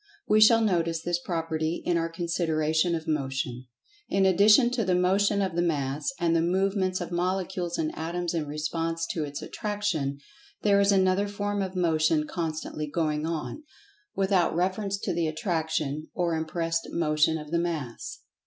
We shall notice this property in our consideration of Motion.[Pg 78] In addition to the Motion of the Mass, and the movements of Molecules and Atoms in response to its Attraction, there is another form of Motion constantly going on, without reference to the Attraction or impressed Motion of the Mass.